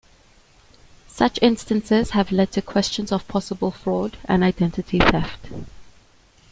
Such instances have led to questions of possible fraud and identity theft.